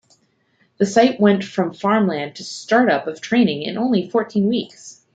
The site went from farmland to start-up of training in only fourteen weeks.